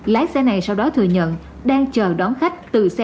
lái xe này sau đó thừa nhận đang chờ đón khách